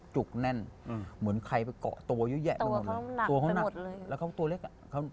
จุกแน่นเหมือนใครไปเกาะตัวเยอะแยะ